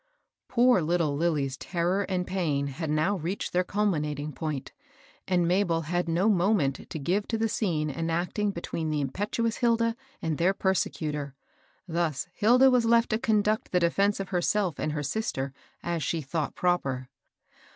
Poor little Lilly's terror and pain had now reached their culminating point, and Mabel had no moment to give to the scene enacting between the impetuous Hilda and their persecutor ; thus Hilda was left to conduct the defence of herself and sis ter as she thought proper.